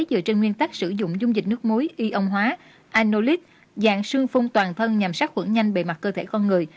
dựa trên nguyên tắc sử dụng dung dịch nước muối y ông hóa anolid dạng sương phun toàn thân nhằm sát khuẩn nhanh bề mặt cơ thể con người